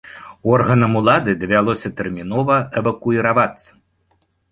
Органам улады давялося тэрмінова эвакуіравацца.